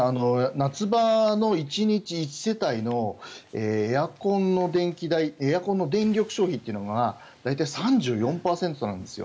夏場の１日１世帯のエアコンの電力消費というのが大体３４％なんです